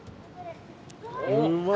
うまい。